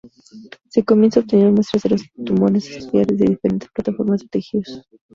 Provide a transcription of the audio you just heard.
Se comienza obteniendo muestras de los tumores a estudiar desde diferentes plataformas de tejidos.